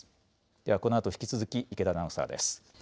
ではこのあと引き続き池田アナウンサーです。